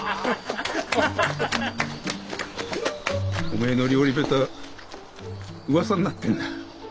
おめえの料理下手噂になってんだ。